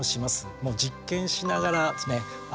もう実験しながらあ